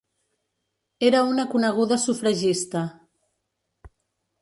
Era una coneguda sufragista.